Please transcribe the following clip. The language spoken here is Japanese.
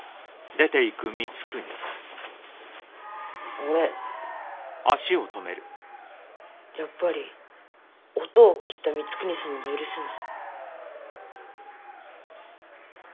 俺やっぱりおとうを斬った光圀様を許せない。